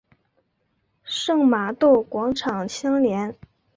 圣玛窦广场相连。